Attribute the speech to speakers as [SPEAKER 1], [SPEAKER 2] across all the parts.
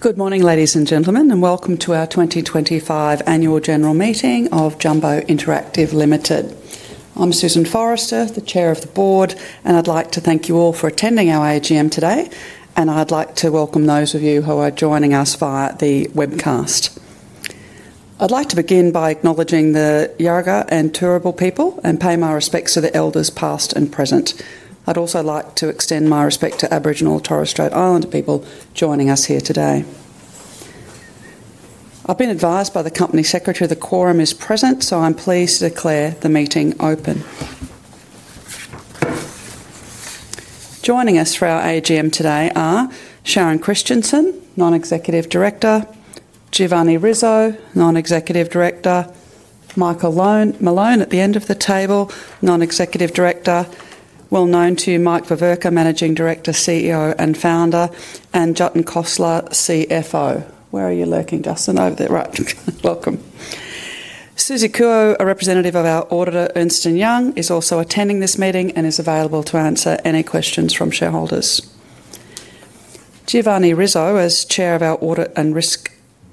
[SPEAKER 1] Good morning, ladies and gentlemen, and welcome to our 2025 Annual General Meeting of Jumbo Interactive Limited. I'm Susan Forrester, the Chair of the Board, and I'd like to thank you all for attending our AGM today. I'd like to welcome those of you who are joining us via the webcast. I'd like to begin by acknowledging the Yurraga and Turrbal people and pay my respects to the elders past and present. I'd also like to extend my respect to Aboriginal and Torres Strait Islander people joining us here today. I've been advised by the Company Secretary the Quorum is present, so I'm pleased to declare the meeting open. Joining us for our AGM today are Sharon Christensen, Non-Executive Director; Giovanni Rizzo, Non-Executive Director; Michael Malone at the end of the table, Non-Executive Director; well known to you, Mike Veverka, Managing Director, CEO and Founder; and Jatin Khosla, CFO. Where are you lurking, Dustin? Over there. Right. Welcome. Suzie Kuo, a representative of our auditor, Ernst & Young, is also attending this meeting and is available to answer any questions from shareholders. Giovanni Rizzo, as Chair of our Audit and Risk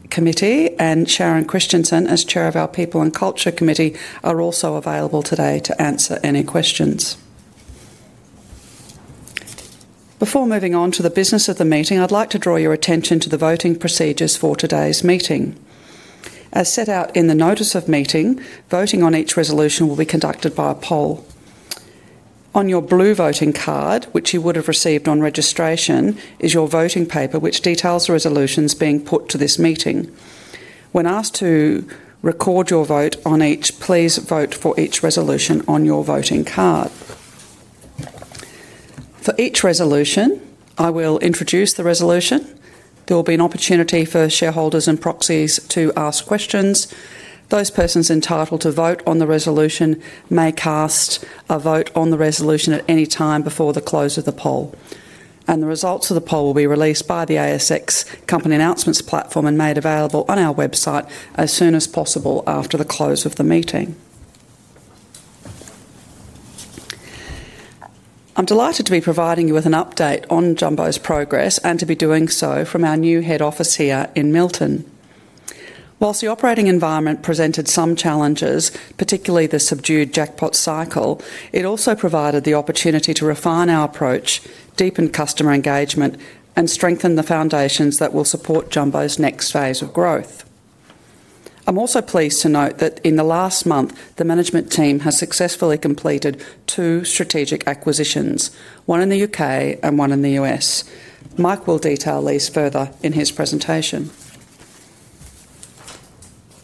[SPEAKER 1] Committee, and Sharon Christensen, as Chair of our People and Culture Committee, are also available today to answer any questions. Before moving on to the business of the meeting, I'd like to draw your attention to the voting procedures for today's meeting. As set out in the Notice of Meeting, voting on each resolution will be conducted by a poll. On your blue voting card, which you would have received on registration, is your voting paper which details the resolutions being put to this meeting. When asked to record your vote on each, please vote for each resolution on your voting card. For each resolution, I will introduce the resolution. There will be an opportunity for shareholders and proxies to ask questions. Those persons entitled to vote on the resolution may cast a vote on the resolution at any time before the close of the poll. The results of the poll will be released by the ASX Company Announcements platform and made available on our website as soon as possible after the close of the meeting. I'm delighted to be providing you with an update on Jumbo's progress and to be doing so from our new head office here in Milton. Whilst the operating environment presented some challenges, particularly the subdued jackpot cycle, it also provided the opportunity to refine our approach, deepen customer engagement, and strengthen the foundations that will support Jumbo's next phase of growth. I'm also pleased to note that in the last month, the management team has successfully completed two strategic acquisitions, one in the U.K. and one in the U.S. Mike will detail these further in his presentation.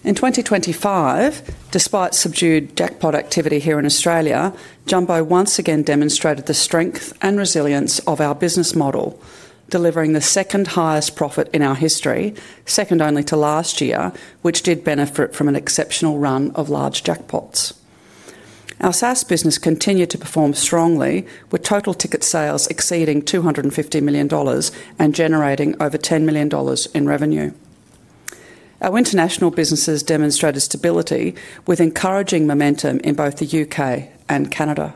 [SPEAKER 1] In 2025, despite subdued jackpot activity here in Australia, Jumbo once again demonstrated the strength and resilience of our business model, delivering the second highest profit in our history, second only to last year, which did benefit from an exceptional run of large jackpots. Our SaaS business continued to perform strongly, with total ticket sales exceeding 250 million dollars and generating over 10 million dollars in revenue. Our international businesses demonstrated stability with encouraging momentum in both the U.K. and Canada.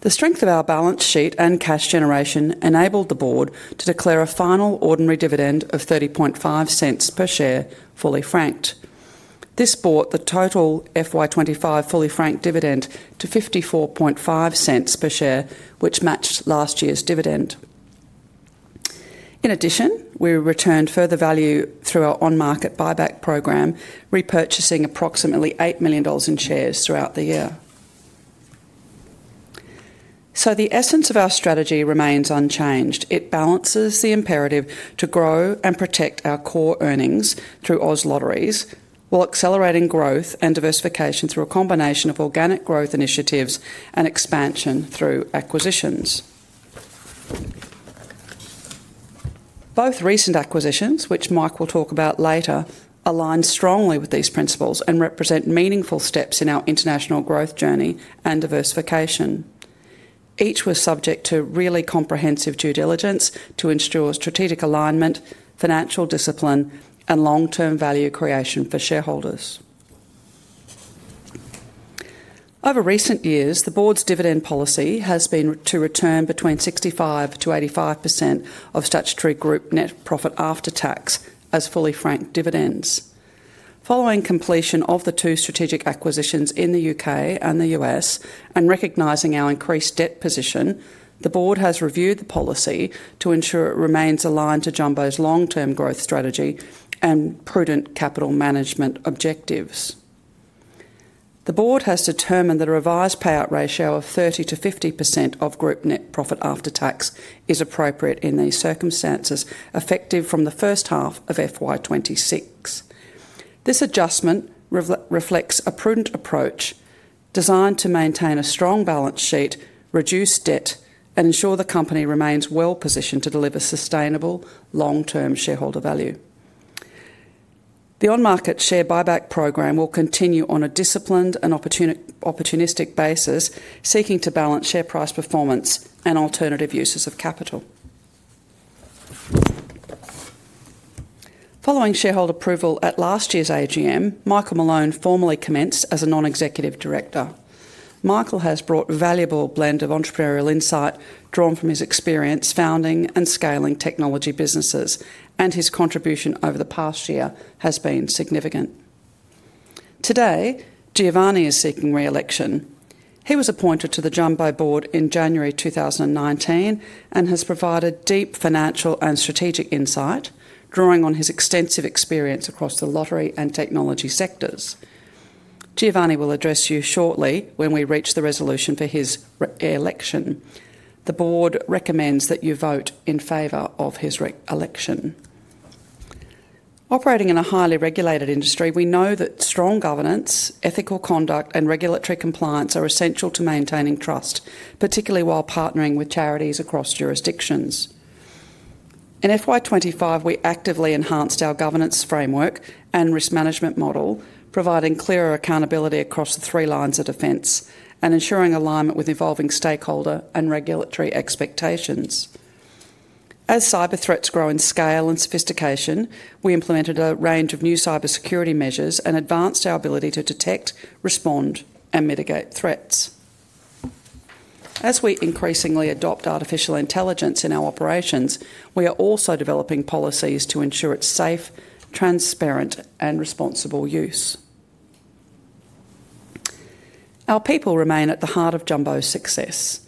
[SPEAKER 1] The strength of our balance sheet and cash generation enabled the Board to declare a final ordinary dividend of 0.305 per share, fully franked. This brought the total FY2025 fully franked dividend to 0.545 per share, which matched last year's dividend. In addition, we returned further value through our on-market buyback program, repurchasing approximately 8 million dollars in shares throughout the year. The essence of our strategy remains unchanged. It balances the imperative to grow and protect our core earnings through Oz Lotteries, while accelerating growth and diversification through a combination of organic growth initiatives and expansion through acquisitions. Both recent acquisitions, which Mike will talk about later, align strongly with these principles and represent meaningful steps in our international growth journey and diversification. Each was subject to really comprehensive due diligence to ensure strategic alignment, financial discipline, and long-term value creation for shareholders. Over recent years, the Board's dividend policy has been to return between 65%-85% of Statutory Group net profit after tax as fully franked dividends. Following completion of the two strategic acquisitions in the U.K. and the U.S., and recognizing our increased debt position, the Board has reviewed the policy to ensure it remains aligned to Jumbo's long-term growth strategy and prudent capital management objectives. The Board has determined that a revised payout ratio of 30%-50% of Group net profit after tax is appropriate in these circumstances, effective from the first half of fiscal year 2026. This adjustment reflects a prudent approach designed to maintain a strong balance sheet, reduce debt, and ensure the company remains well positioned to deliver sustainable long-term shareholder value. The on-market share buyback program will continue on a disciplined and opportunistic basis, seeking to balance share price performance and alternative uses of capital. Following shareholder approval at last year's AGM, Michael Malone formally commenced as a Non-Executive Director. Michael has brought a valuable blend of entrepreneurial insight drawn from his experience founding and scaling technology businesses, and his contribution over the past year has been significant. Today, Giovanni is seeking re-election. He was appointed to the Jumbo Board in January 2019 and has provided deep financial and strategic insight, drawing on his extensive experience across the lottery and technology sectors. Giovanni will address you shortly when we reach the resolution for his re-election. The Board recommends that you vote in favor of his re-election. Operating in a highly regulated industry, we know that strong governance, ethical conduct, and regulatory compliance are essential to maintaining trust, particularly while partnering with charities across jurisdictions. In FY2025, we actively enhanced our governance framework and risk management model, providing clearer accountability across the three lines of defense and ensuring alignment with evolving stakeholder and regulatory expectations. As cyber threats grow in scale and sophistication, we implemented a range of new cybersecurity measures and advanced our ability to detect, respond, and mitigate threats. As we increasingly adopt artificial intelligence in our operations, we are also developing policies to ensure its safe, transparent, and responsible use. Our people remain at the heart of Jumbo's success.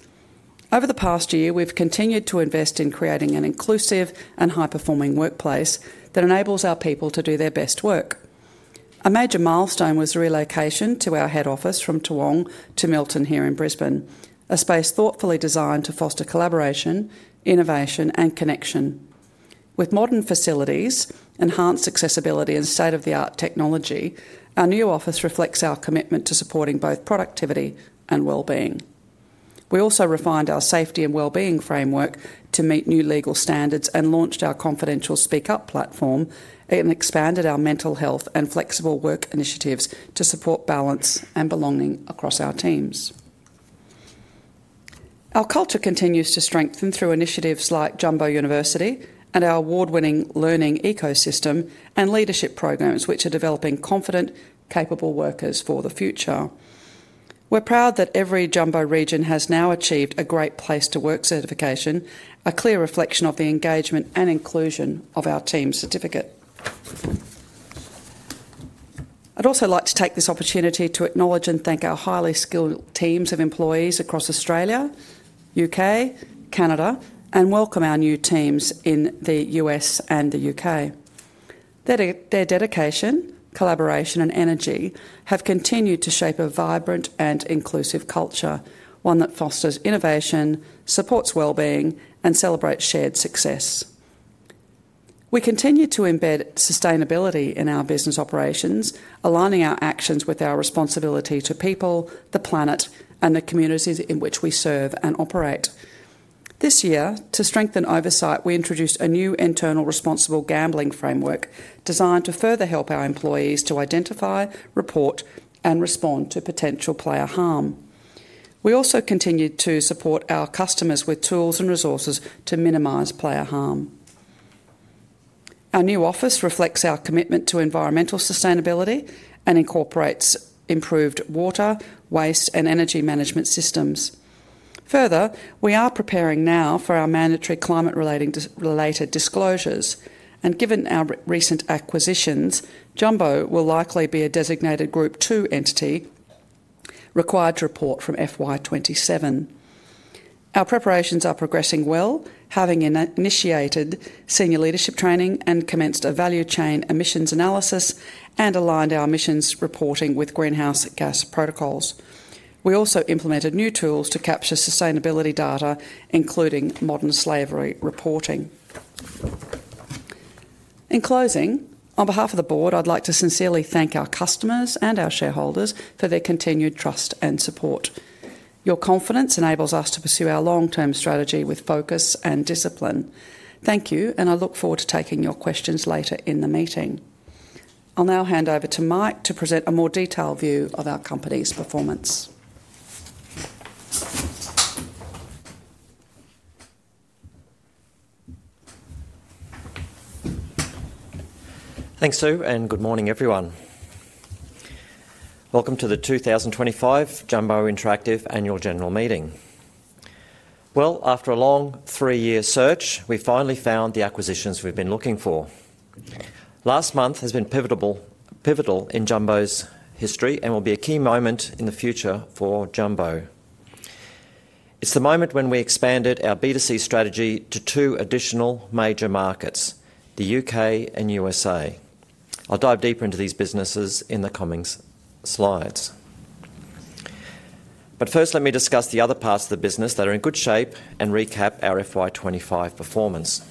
[SPEAKER 1] Over the past year, we've continued to invest in creating an inclusive and high-performing workplace that enables our people to do their best work. A major milestone was relocation to our head office from Toowoomba to Milton here in Brisbane, a space thoughtfully designed to foster collaboration, innovation, and connection. With modern facilities, enhanced accessibility, and state-of-the-art technology, our new office reflects our commitment to supporting both productivity and well-being. We also refined our safety and well-being framework to meet new legal standards and launched our confidential Speak Up platform and expanded our mental health and flexible work initiatives to support balance and belonging across our teams. Our culture continues to strengthen through initiatives like Jumbo University and our award-winning learning ecosystem and leadership programs, which are developing confident, capable workers for the future. We're proud that every Jumbo region has now achieved a Great Place to Work certification, a clear reflection of the engagement and inclusion of our team certificate. I'd also like to take this opportunity to acknowledge and thank our highly skilled teams of employees across Australia, the U.K., Canada, and welcome our new teams in the U.S. and the U.K. Their dedication, collaboration, and energy have continued to shape a vibrant and inclusive culture, one that fosters innovation, supports well-being, and celebrates shared success. We continue to embed sustainability in our business operations, aligning our actions with our responsibility to people, the planet, and the communities in which we serve and operate. This year, to strengthen oversight, we introduced a new internal responsible gambling framework designed to further help our employees to identify, report, and respond to potential player harm. We also continue to support our customers with tools and resources to minimize player harm. Our new office reflects our commitment to environmental sustainability and incorporates improved water, waste, and energy management systems. Further, we are preparing now for our mandatory climate-related disclosures, and given our recent acquisitions, Jumbo will likely be a designated Group 2 entity required to report from FY2027. Our preparations are progressing well, having initiated senior leadership training and commenced a value chain emissions analysis and aligned our emissions reporting with greenhouse gas protocols. We also implemented new tools to capture sustainability data, including modern slavery reporting. In closing, on behalf of the Board, I'd like to sincerely thank our customers and our shareholders for their continued trust and support. Your confidence enables us to pursue our long-term strategy with focus and discipline. Thank you, and I look forward to taking your questions later in the meeting. I'll now hand over to Mike to present a more detailed view of our company's performance.
[SPEAKER 2] Thanks, Sue, and good morning, everyone. Welcome to the 2025 Jumbo Interactive Annual General Meeting. After a long three-year search, we finally found the acquisitions we've been looking for. Last month has been pivotal in Jumbo's history and will be a key moment in the future for Jumbo. It's the moment when we expanded our B2C strategy to two additional major markets, the U.K. and U.S.A. I'll dive deeper into these businesses in the coming slides. First, let me discuss the other parts of the business that are in good shape and recap our FY2025 performance.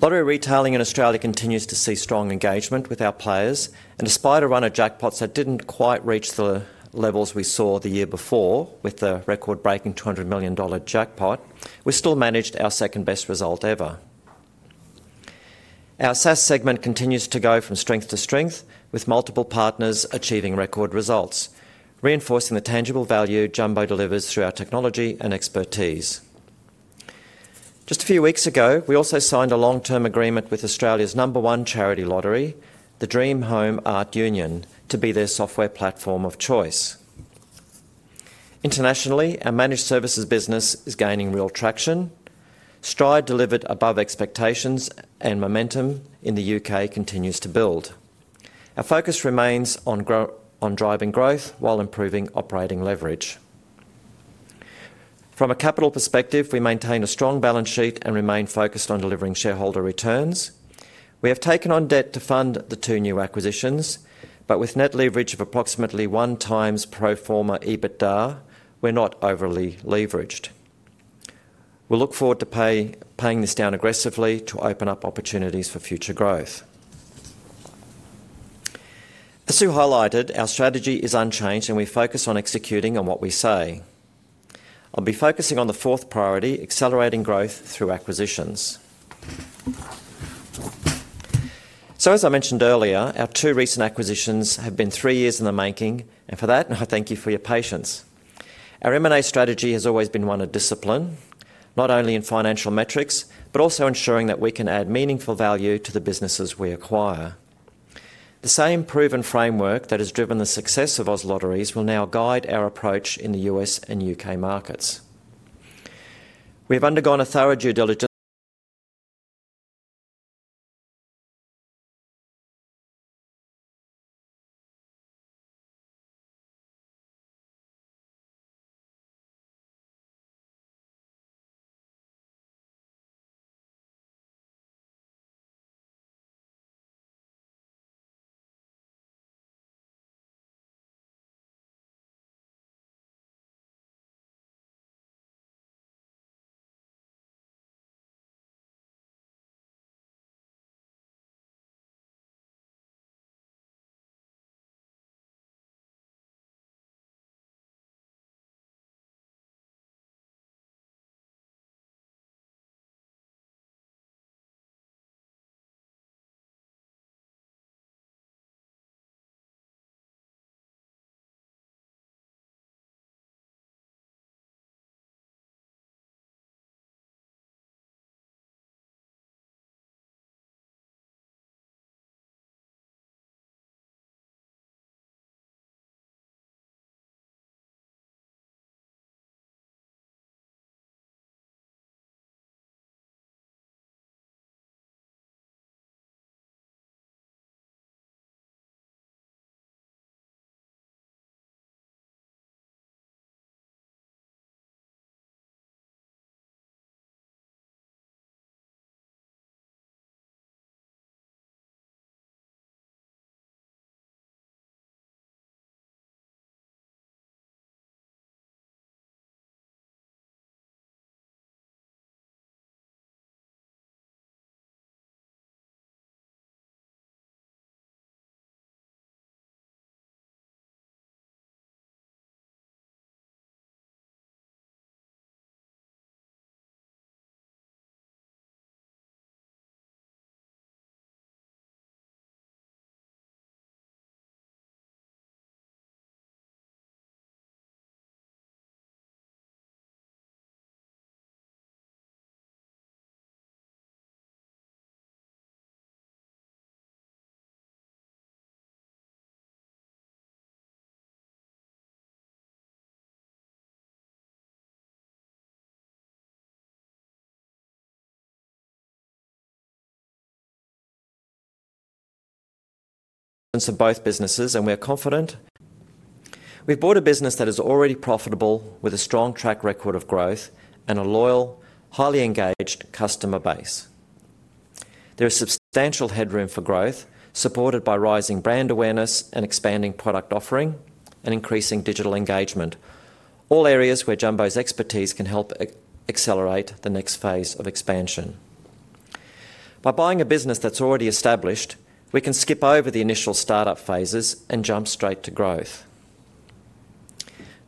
[SPEAKER 2] Lottery retailing in Australia continues to see strong engagement with our players, and despite a run of jackpots that did not quite reach the levels we saw the year before with the record-breaking $200 million jackpot, we still managed our second-best result ever. Our SaaS segment continues to go from strength to strength, with multiple partners achieving record results, reinforcing the tangible value Jumbo delivers through our technology and expertise. Just a few weeks ago, we also signed a long-term agreement with Australia's number one charity lottery, the Dream Home Art Union, to be their software platform of choice. Internationally, our managed services business is gaining real traction. STRIDE delivered above expectations, and momentum in the U.K. continues to build. Our focus remains on driving growth while improving operating leverage. From a capital perspective, we maintain a strong balance sheet and remain focused on delivering shareholder returns. We have taken on debt to fund the two new acquisitions, but with net leverage of approximately 1x pro forma EBITDA, we're not overly leveraged. We will look forward to paying this down aggressively to open up opportunities for future growth. As Sue highlighted, our strategy is unchanged, and we focus on executing on what we say. I'll be focusing on the fourth priority, accelerating growth through acquisitions. As I mentioned earlier, our two recent acquisitions have been three years in the making, and for that, I thank you for your patience. Our M&A strategy has always been one of discipline, not only in financial metrics, but also ensuring that we can add meaningful value to the businesses we acquire. The same proven framework that has driven the success of Oz Lotteries will now guide our approach in the U.S. and U.K. markets. We have undergone a thorough due diligence of both businesses, and we are confident. We've bought a business that is already profitable, with a strong track record of growth and a loyal, highly engaged customer base. There is substantial headroom for growth, supported by rising brand awareness and expanding product offering and increasing digital engagement, all areas where Jumbo's expertise can help accelerate the next phase of expansion. By buying a business that's already established, we can skip over the initial startup phases and jump straight to growth.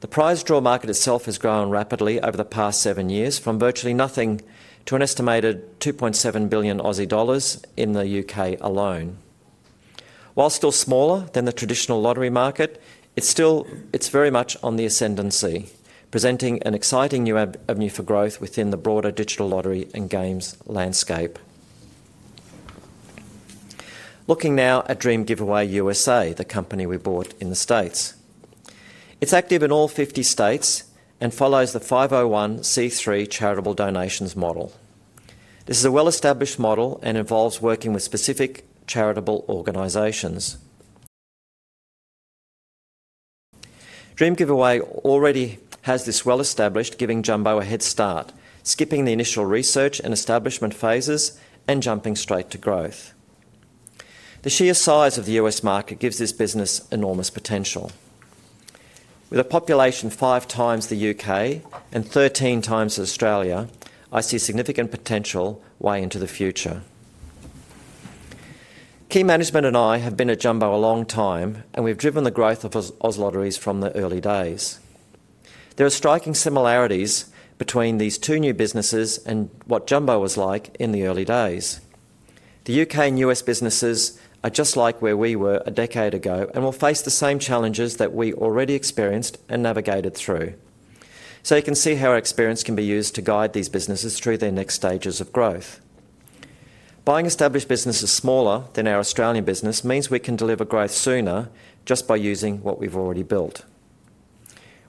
[SPEAKER 2] The prize draw market itself has grown rapidly over the past seven years, from virtually nothing to an estimated GBP 2.7 billion in the U.K. alone. While still smaller than the traditional lottery market, it's very much on the ascendancy, presenting an exciting new avenue for growth within the broader digital lottery and games landscape. Looking now at Dream Giveaway USA, the company we bought in the U.S. It's active in all 50 states and follows the 501(c)(3) charitable donations model. This is a well-established model and involves working with specific charitable organizations. Dream Giveaway already has this well-established, giving Jumbo a head start, skipping the initial research and establishment phases and jumping straight to growth. The sheer size of the US market gives this business enormous potential. With a population 5x the U.K. and 13x Australia, I see significant potential way into the future. Key management and I have been at Jumbo a long time, and we've driven the growth of Oz Lotteries from the early days. There are striking similarities between these two new businesses and what Jumbo was like in the early days. The U.K. and U.S. businesses are just like where we were a decade ago and will face the same challenges that we already experienced and navigated through. You can see how our experience can be used to guide these businesses through their next stages of growth. Buying established businesses smaller than our Australian business means we can deliver growth sooner just by using what we've already built.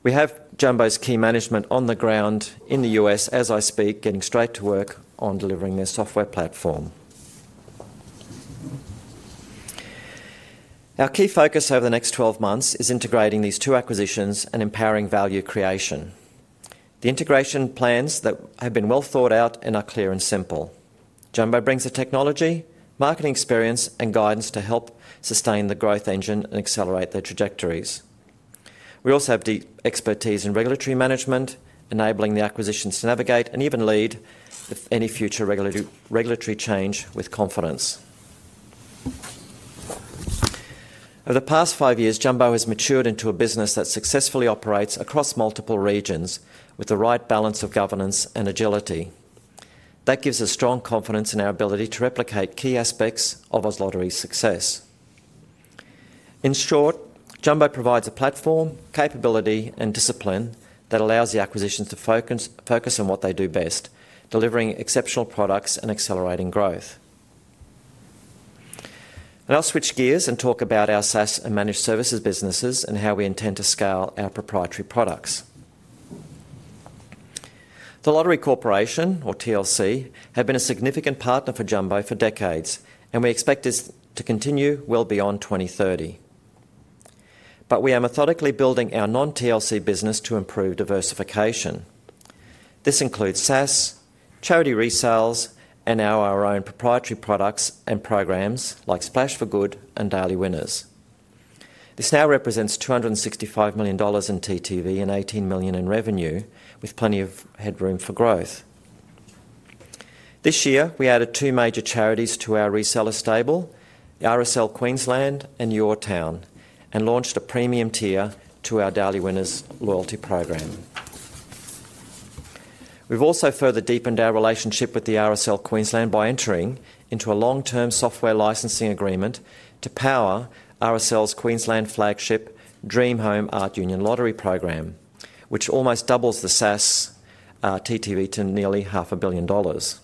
[SPEAKER 2] We have Jumbo's key management on the ground in the U.S. as I speak, getting straight to work on delivering their software platform. Our key focus over the next 12 months is integrating these two acquisitions and empowering value creation. The integration plans have been well thought out and are clear and simple. Jumbo brings the technology, marketing experience, and guidance to help sustain the growth engine and accelerate their trajectories. We also have deep expertise in regulatory management, enabling the acquisitions to navigate and even lead any future regulatory change with confidence. Over the past five years, Jumbo has matured into a business that successfully operates across multiple regions with the right balance of governance and agility. That gives us strong confidence in our ability to replicate key aspects of Oz Lotteries' success. In short, Jumbo provides a platform, capability, and discipline that allows the acquisitions to focus on what they do best, delivering exceptional products and accelerating growth. I will switch gears and talk about our SaaS and managed services businesses and how we intend to scale our proprietary products. The Lottery Corporation, or TLC, has been a significant partner for Jumbo for decades, and we expect this to continue well beyond 2030. We are methodically building our non-TLC business to improve diversification. This includes SaaS, charity resales, and our own proprietary products and programs like Splash for Good and Daily Winners. This now represents 265 million dollars in TTV and 18 million in revenue, with plenty of headroom for growth. This year, we added two major charities to our reseller stable, RSL Queensland and Your Town, and launched a premium tier to our Daily Winners loyalty program. We have also further deepened our relationship with the RSL Queensland by entering into a long-term software licensing agreement to power RSL Queensland's flagship Dream Home Art Union Lottery program, which almost doubles the SaaS TTV to nearly 500 million dollars.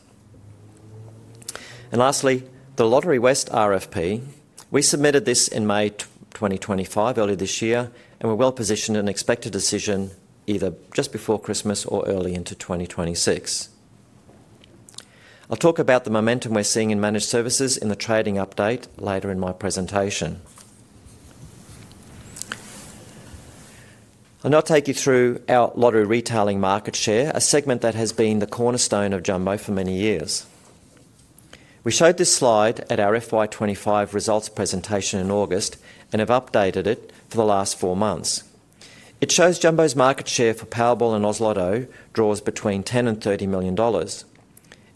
[SPEAKER 2] Lastly, the Lotterywest RFP. We submitted this in May 2025, early this year, and we're well positioned in expected decision either just before Christmas or early into 2026. I'll talk about the momentum we're seeing in Managed Services in the trading update later in my presentation. I'll now take you through our lottery retailing market share, a segment that has been the cornerstone of Jumbo for many years. We showed this slide at our FY2025 results presentation in August and have updated it for the last four months. It shows Jumbo's market share for Powerball and Oz Lotto draws between 10 million and 30 million dollars.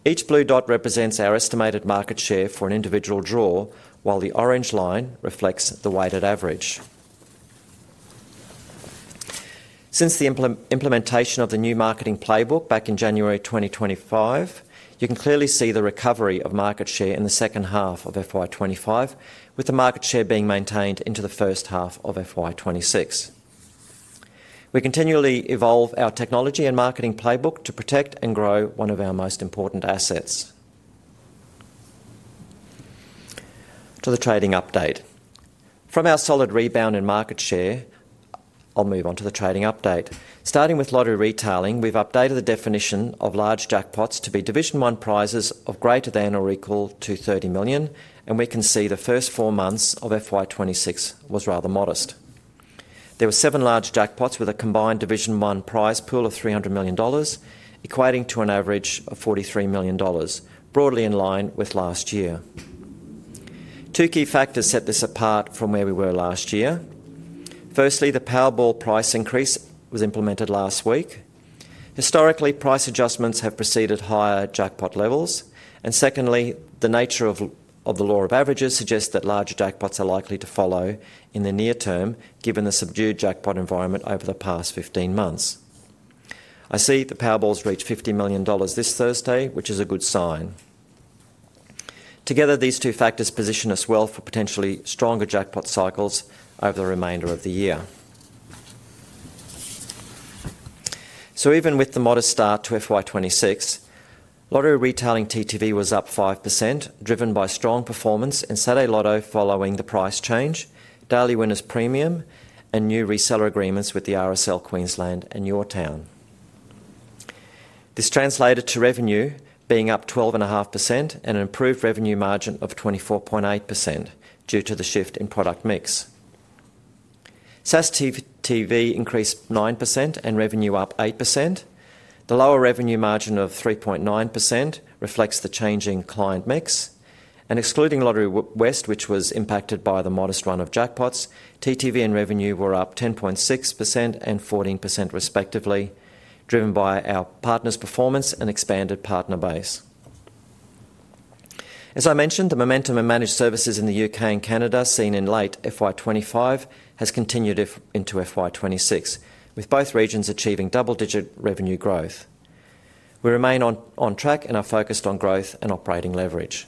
[SPEAKER 2] Each blue dot represents our estimated market share for an individual draw, while the orange line reflects the weighted average. Since the implementation of the new marketing playbook back in January 2025, you can clearly see the recovery of market share in the second half of FY2025, with the market share being maintained into the first half of FY2026. We continually evolve our technology and marketing playbook to protect and grow one of our most important assets. To the trading update. From our solid rebound in market share, I'll move on to the trading update. Starting with lottery retailing, we've updated the definition of large jackpots to be Division 1 prizes of greater than or equal to $30 million, and we can see the first four months of FY2026 was rather modest. There were seven large jackpots with a combined Division 1 prize pool of $300 million, equating to an average of $43 million, broadly in line with last year. Two key factors set this apart from where we were last year. Firstly, the Powerball price increase was implemented last week. Historically, price adjustments have preceded higher jackpot levels. Secondly, the nature of the law of averages suggests that larger jackpots are likely to follow in the near term, given the subdued jackpot environment over the past 15 months. I see the Powerball reach $50 million this Thursday, which is a good sign. Together, these two factors position us well for potentially stronger jackpot cycles over the remainder of the year. Even with the modest start to FY2026, lottery retailing TTV was up 5%, driven by strong performance in Saturday Lotto following the price change, Daily Winners Premium, and new reseller agreements with RSL Queensland and Your Town. This translated to revenue being up 12.5% and an improved revenue margin of 24.8% due to the shift in product mix. SaaS TTV increased 9% and revenue up 8%. The lower revenue margin of 3.9% reflects the changing client mix. Excluding Lotterywest, which was impacted by the modest run of jackpots, TTV and revenue were up 10.6% and 14% respectively, driven by our partners' performance and expanded partner base. As I mentioned, the momentum in Managed Services in the U.K. and Canada seen in late FY2025 has continued into FY2026, with both regions achieving double-digit revenue growth. We remain on track and are focused on growth and operating leverage.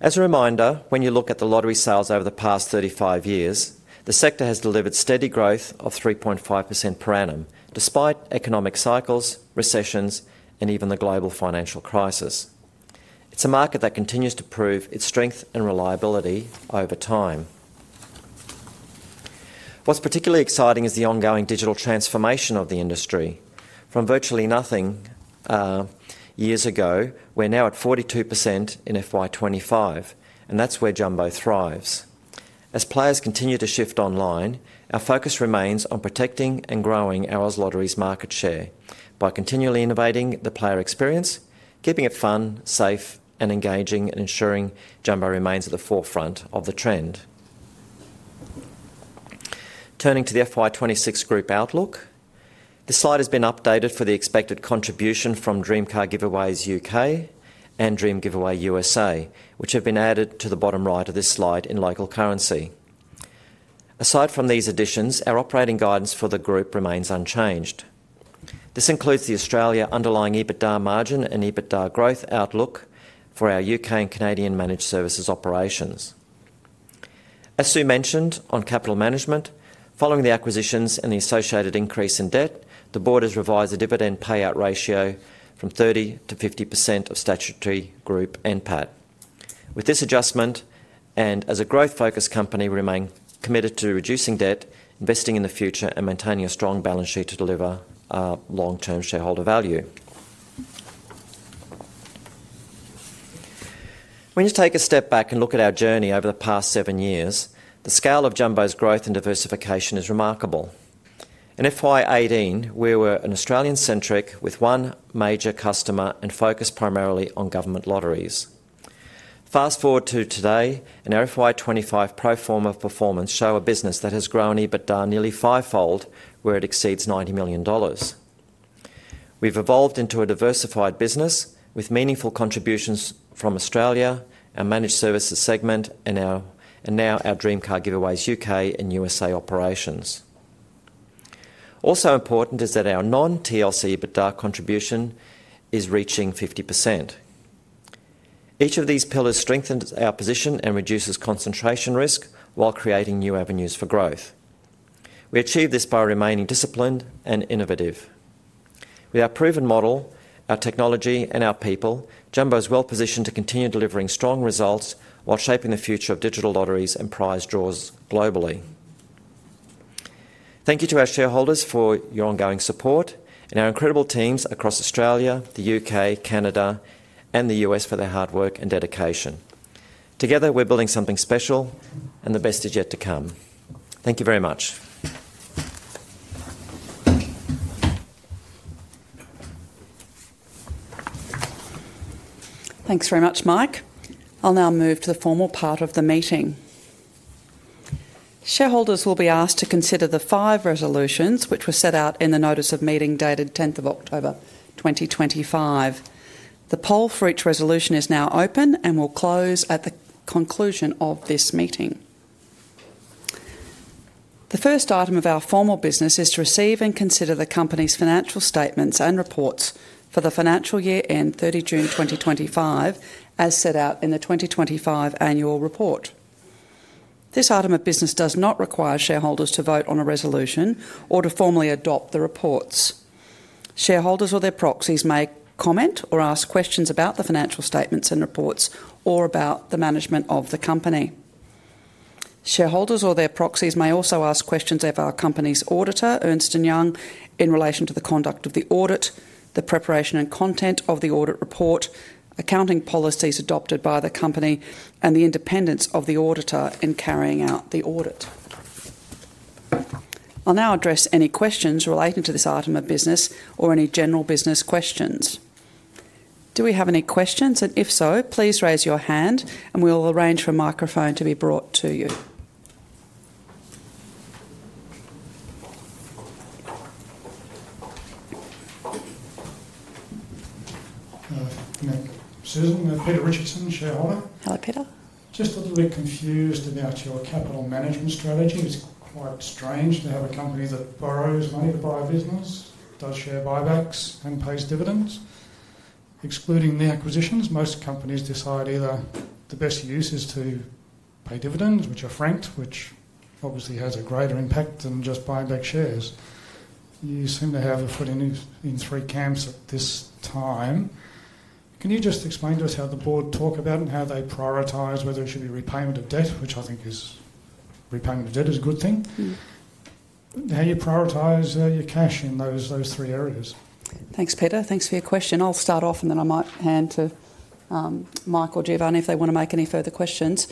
[SPEAKER 2] As a reminder, when you look at the lottery sales over the past 35 years, the sector has delivered steady growth of 3.5% per annum, despite economic cycles, recessions, and even the global financial crisis. It's a market that continues to prove its strength and reliability over time. What's particularly exciting is the ongoing digital transformation of the industry. From virtually nothing years ago, we're now at 42% in FY2025, and that's where Jumbo thrives. As players continue to shift online, our focus remains on protecting and growing our Oz Lotteries market share by continually innovating the player experience, keeping it fun, safe, and engaging, and ensuring Jumbo remains at the forefront of the trend. Turning to the FY2026 group outlook, the slide has been updated for the expected contribution from Dream Car Giveaways U.K. and Dream Giveaway U.S.A., which have been added to the bottom right of this slide in local currency. Aside from these additions, our operating guidance for the group remains unchanged. This includes the Australia underlying EBITDA margin and EBITDA growth outlook for our U.K. and Canadian managed services operations. As Sue mentioned on capital management, following the acquisitions and the associated increase in debt, the Board has revised the dividend payout ratio from 30%-50% of statutory group and PAT. With this adjustment and as a growth-focused company, we remain committed to reducing debt, investing in the future, and maintaining a strong balance sheet to deliver long-term shareholder value. When you take a step back and look at our journey over the past seven years, the scale of Jumbo's growth and diversification is remarkable. In FY2018, we were an Australian-centric with one major customer and focused primarily on government lotteries. Fast forward to today, and our FY2025 pro forma performance shows a business that has grown EBITDA nearly fivefold, where it exceeds 90 million dollars. have evolved into a diversified business with meaningful contributions from Australia, our Managed Services segment, and now our Dream Car Giveaways U.K. and U.S.A. operations. Also important is that our non-TLC EBITDA contribution is reaching 50%. Each of these pillars strengthens our position and reduces concentration risk while creating new avenues for growth. We achieve this by remaining disciplined and innovative. With our proven model, our technology, and our people, Jumbo is well positioned to continue delivering strong results while shaping the future of digital lotteries and prize draws globally. Thank you to our shareholders for your ongoing support and our incredible teams across Australia, the U.K., Canada, and the U.S. for their hard work and dedication. Together, we are building something special, and the best is yet to come. Thank you very much.
[SPEAKER 1] Thanks very much, Mike. I will now move to the formal part of the meeting. Shareholders will be asked to consider the five resolutions which were set out in the notice of meeting dated 10 October 2025. The poll for each resolution is now open and will close at the conclusion of this meeting. The first item of our formal business is to receive and consider the company's financial statements and reports for the financial year end 30 June 2025, as set out in the 2025 annual report. This item of business does not require shareholders to vote on a resolution or to formally adopt the reports. Shareholders or their proxies may comment or ask questions about the financial statements and reports or about the management of the company. Shareholders or their proxies may also ask questions of our company's auditor, Ernst & Young, in relation to the conduct of the audit, the preparation and content of the audit report, accounting policies adopted by the company, and the independence of the auditor in carrying out the audit. I'll now address any questions relating to this item of business or any general business questions. Do we have any questions? If so, please raise your hand, and we'll arrange for a microphone to be brought to you.
[SPEAKER 3] Hello. Susan, Peter Richardson, shareholder.
[SPEAKER 1] Hello, Peter.
[SPEAKER 3] Just a little bit confused about your capital management strategy. It's quite strange to have a company that borrows money to buy a business, does share buybacks, and pays dividends. Excluding the acquisitions, most companies decide either the best use is to pay dividends, which are franked, which obviously has a greater impact than just buying back shares. You seem to have a foot in three camps at this time. Can you just explain to us how the Board talks about and how they prioritize whether it should be repayment of debt, which I think is repayment of debt is a good thing, how you prioritize your cash in those three areas?
[SPEAKER 1] Thanks, Peter. Thanks for your question. I'll start off, and then I might hand to Mike or Giovanni if they want to make any further questions.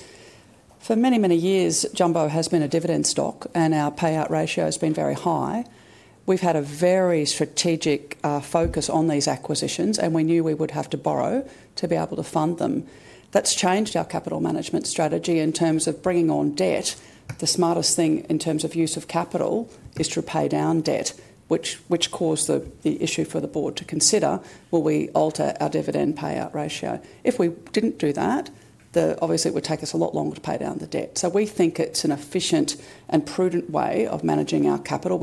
[SPEAKER 1] For many, many years, Jumbo has been a dividend stock, and our payout ratio has been very high. We've had a very strategic focus on these acquisitions, and we knew we would have to borrow to be able to fund them. That's changed our capital management strategy in terms of bringing on debt. The smartest thing in terms of use of capital is to pay down debt, which caused the issue for the Board to consider: will we alter our dividend payout ratio? If we didn't do that, obviously it would take us a lot longer to pay down the debt. We think it's an efficient and prudent way of managing our capital.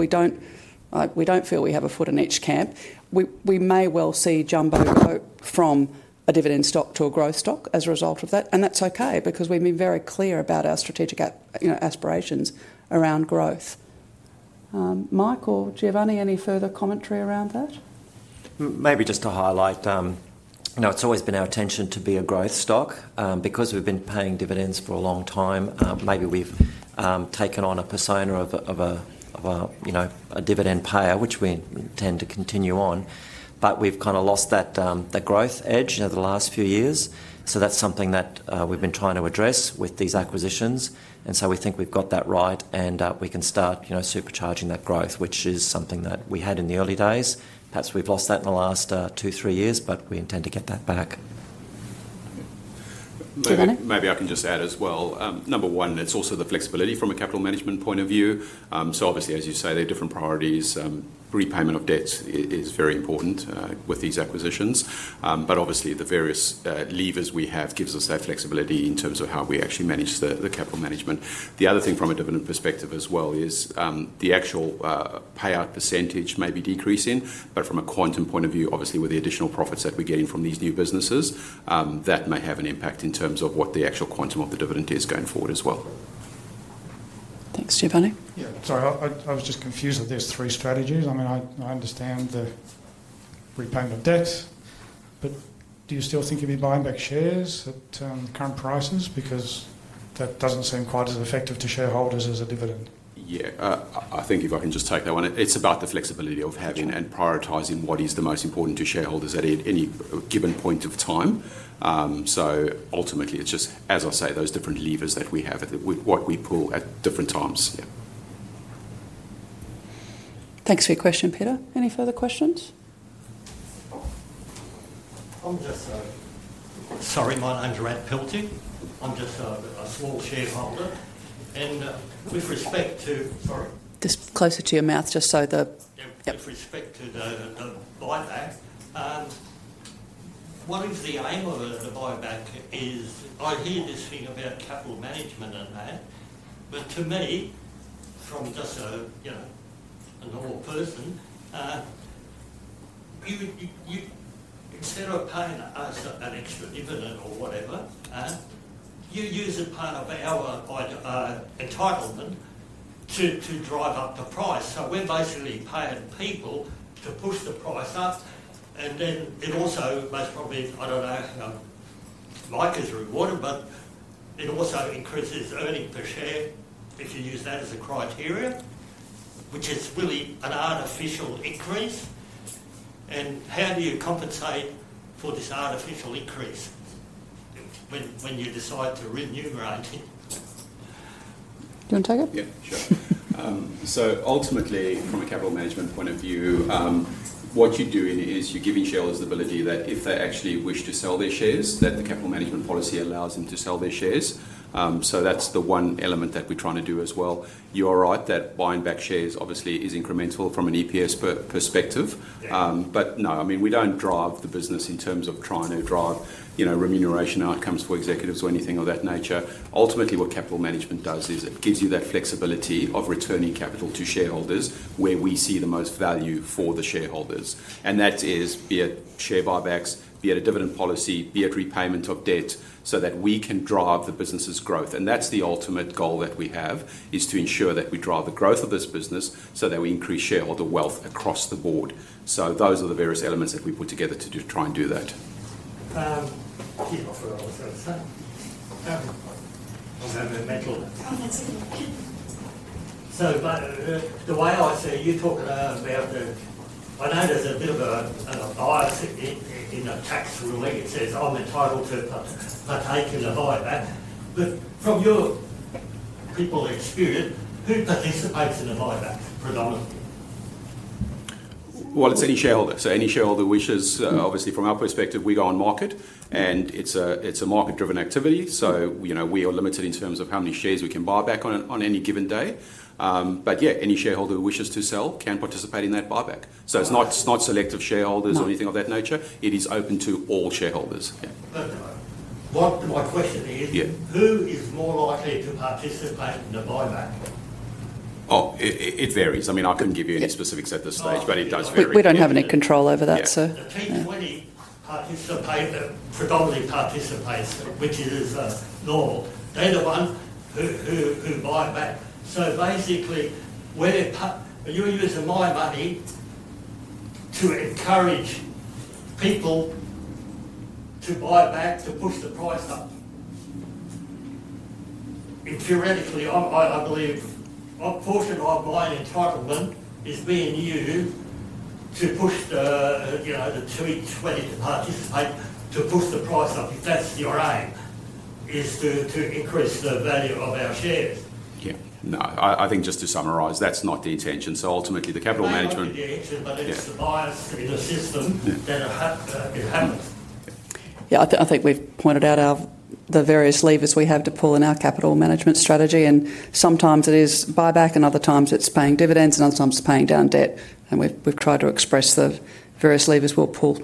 [SPEAKER 1] We don't feel we have a foot in each camp. We may well see Jumbo go from a dividend stock to a growth stock as a result of that, and that's okay because we've been very clear about our strategic aspirations around growth. Mike or Giovanni, any further commentary around that?
[SPEAKER 2] Maybe just to highlight, it's always been our intention to be a growth stock. Because we've been paying dividends for a long time, maybe we've taken on a persona of a dividend payer, which we intend to continue on, but we've kind of lost that growth edge over the last few years. That is something that we've been trying to address with these acquisitions. We think we've got that right, and we can start supercharging that growth, which is something that we had in the early days. Perhaps we've lost that in the last two, three years, but we intend to get that back.
[SPEAKER 1] Giovanni?
[SPEAKER 4] Maybe I can just add as well. Number one, it's also the flexibility from a capital management point of view. Obviously, as you say, there are different priorities. Repayment of debts is very important with these acquisitions. Obviously, the various levers we have give us that flexibility in terms of how we actually manage the capital management. The other thing from a dividend perspective as well is the actual payout percentage may be decreasing, but from a quantum point of view, obviously with the additional profits that we're getting from these new businesses, that may have an impact in terms of what the actual quantum of the dividend is going forward as well.
[SPEAKER 1] Thanks, Giovanni.
[SPEAKER 3] Yeah, sorry, I was just confused that there's three strategies. I mean, I understand the repayment of debts, but do you still think you'll be buying back shares at current prices? Because that doesn't seem quite as effective to shareholders as a dividend.
[SPEAKER 4] Yeah, I think if I can just take that one, it's about the flexibility of having and prioritizing what is the most important to shareholders at any given point of time. Ultimately, it's just, as I say, those different levers that we have, what we pull at different times.
[SPEAKER 1] Thanks for your question, Peter. Any further questions?
[SPEAKER 5] I'm just a—sorry, my name's Rhett Pilcher. I'm just a small shareholder. And with respect to—sorry.
[SPEAKER 1] Just closer to your mouth, just so the—
[SPEAKER 5] Yeah, with respect to the buyback, what is the aim of the buyback? I hear this thing about capital management and that, but to me, from just a normal person, instead of paying us an extra dividend or whatever, you use a part of our entitlement to drive up the price. So we're basically paying people to push the price up, and then it also most probably, I don't know, Mike is rewarded, but it also increases earnings per share if you use that as a criteria, which is really an artificial increase. How do you compensate for this artificial increase when you decide to remunerate it?
[SPEAKER 1] Do you want to take it?
[SPEAKER 4] Yeah, sure. Ultimately, from a capital management point of view, what you're doing is you're giving shareholders the ability that if they actually wish to sell their shares, the capital management policy allows them to sell their shares. That is the one element that we're trying to do as well. You're right that buying back shares obviously is incremental from an EPS perspective. No, I mean, we don't drive the business in terms of trying to drive remuneration outcomes for executives or anything of that nature. Ultimately, what capital management does is it gives you that flexibility of returning capital to shareholders where we see the most value for the shareholders. That is via share buybacks, via a dividend policy, via repayment of debt so that we can drive the business's growth. That's the ultimate goal that we have, to ensure that we drive the growth of this business so that we increase shareholder wealth across the board. Those are the various elements that we put together to try and do that.
[SPEAKER 5] Can you offer another set? I was having a mental—so the way I see it, you're talking about the—I know there's a bit of a bias in the tax ruling. It says I'm entitled to partake in the buyback. But from your people experience, who participates in the buyback predominantly?
[SPEAKER 4] It is any shareholder. So any shareholder wishes, obviously from our perspective, we go on market, and it is a market-driven activity. We are limited in terms of how many shares we can buy back on any given day. Yeah, any shareholder who wishes to sell can participate in that buyback. It is not selective shareholders or anything of that nature. It is open to all shareholders.
[SPEAKER 5] My question is, who is more likely to participate in the buyback?
[SPEAKER 4] Oh, it varies. I mean, I couldn't give you any specifics at this stage, but it does vary.
[SPEAKER 1] We don't have any control over that, so.
[SPEAKER 5] Yeah, the T20 predominantly participates, which is normal. They're the ones who buy back. Basically, you're using my money to encourage people to buy back to push the price up. Theoretically, I believe a portion of my entitlement is being used to push the T20 to participate to push the price up if that's your aim, is to increase the value of our shares.
[SPEAKER 4] Yeah. No, I think just to summarize, that's not the intention. So ultimately, the capital management.
[SPEAKER 5] That's not the intention, but it's the bias in the system that it happens.
[SPEAKER 1] Yeah, I think we've pointed out the various levers we have to pull in our capital management strategy. Sometimes it is buyback, other times it's paying dividends, and other times it's paying down debt. We've tried to express the various levers we'll pull.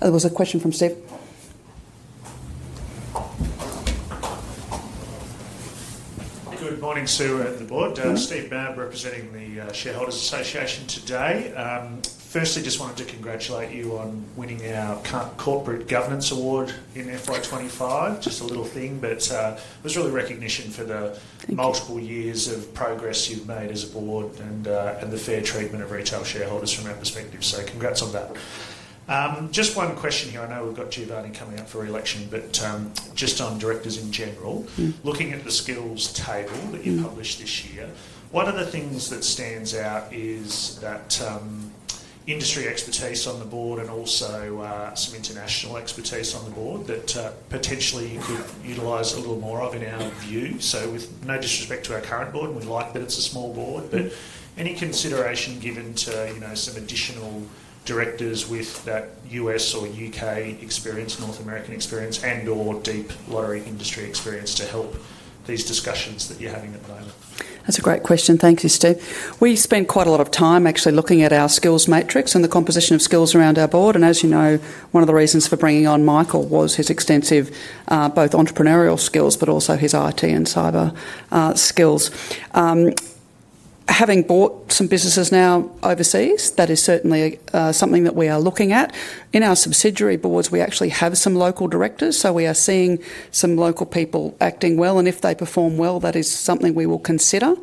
[SPEAKER 1] There was a question from Steve.
[SPEAKER 6] Good morning, Sue at the Board. Steve Babb representing the Shareholders Association today. Firstly, just wanted to congratulate you on winning our Corporate Governance Award in FY2025. Just a little thing, but it was really recognition for the multiple years of progress you've made as a Board and the fair treatment of retail shareholders from our perspective. So congrats on that. Just one question here. I know we've got Giovanni coming up for re-election, but just on directors in general, looking at the skills table that you published this year, one of the things that stands out is that industry expertise on the Board and also some international expertise on the Board that potentially you could utilize a little more of in our view. With no disrespect to our current Board, and we like that it's a small Board, but any consideration given to some additional directors with that U.S. or U.K. experience, North American experience, and/or deep lottery industry experience to help these discussions that you're having at the moment?
[SPEAKER 1] That's a great question. Thank you, Steve. We spent quite a lot of time actually looking at our skills matrix and the composition of skills around our Board. As you know, one of the reasons for bringing on Michael was his extensive both entrepreneurial skills, but also his IT and cyber skills. Having bought some businesses now overseas, that is certainly something that we are looking at. In our subsidiary Boards, we actually have some local directors, so we are seeing some local people acting well. If they perform well, that is something we will consider.